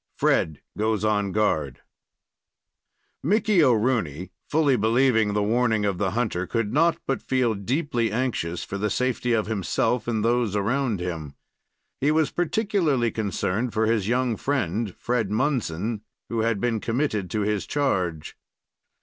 FRED GOES ON GUARD Mickey O'Rooney, fully believing the warning of the hunter, could not but feel deeply anxious for the safety of himself and those around him. He was particularly concerned for his young friend, Fred Munson, who had been committed to his charge.